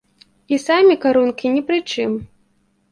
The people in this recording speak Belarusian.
І самі карункі ні пры чым.